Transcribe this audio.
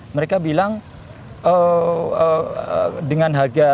mereka bilang dengan harga